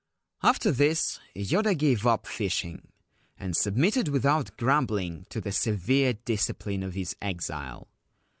After this Yoda gave up fishing, and submitted without grumbling to the severe discipline of his exile.